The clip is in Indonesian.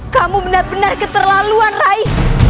kamu benar benar keterlaluan raih